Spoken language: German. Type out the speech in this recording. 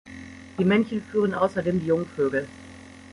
Die Männchen führen außerdem die Jungvögel.